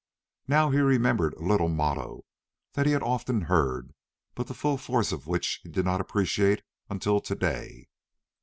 Now he remembered a little motto that he had often heard, but the full force of which he did not appreciate until to day.